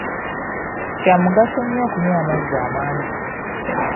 Kya mugaso nnyo okunywa amazzi amangi.